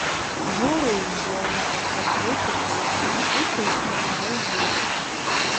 Юрый з'яўляецца крытыкам пуцінскага рэжыму.